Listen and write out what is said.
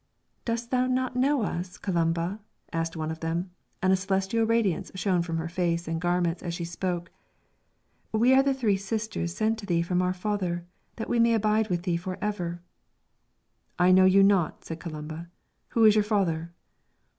"Dost thou not know us, Columba?" asked one of them, and a celestial radiance shone from her face and garments as she spoke. "We are three sisters sent to thee from our Father, that we may abide with thee for ever." "I know you not," said Columba. "Who is your father?"